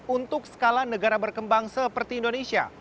untuk skala negara berkembang seperti indonesia